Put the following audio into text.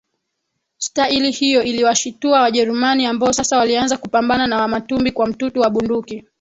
Staili hiyo iliwashitua Wajerumani ambao sasa walianza kupambana na Wamatumbi kwa mtutu wa bunduki